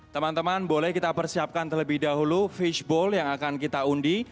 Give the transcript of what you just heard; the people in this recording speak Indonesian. teman teman boleh kita persiapkan terlebih dahulu fishball yang akan kita undi